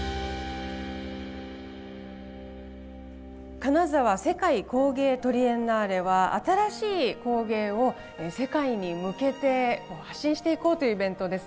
金沢・世界工芸トリエンナーレは新しい工芸を世界に向けて発信していこうというイベントです。